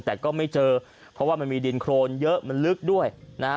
แต่ก็ไม่เจอเพราะว่ามันมีดินโครนเยอะมันลึกด้วยนะฮะ